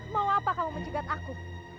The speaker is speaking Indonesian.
mau apa kamu menjegat aku